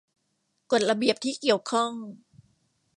กฎระเบียบที่เกี่ยวข้อง